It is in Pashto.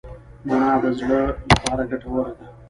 مڼه د زړه لپاره ګټوره ده.